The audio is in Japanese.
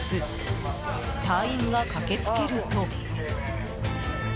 隊員が駆けつけると。